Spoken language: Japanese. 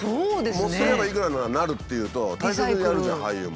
持っていけばいくらになるっていうと大切にやるじゃん廃油も。